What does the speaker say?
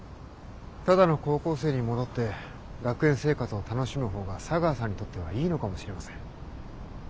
ただの高校生に戻って学園生活を楽しむ方が茶川さんにとってはいいのかもしれません。